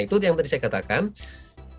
itu yang tadi saya katakan kita harus